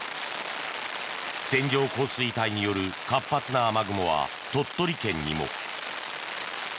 線状降水帯による活発な雨雲は鳥取県にも。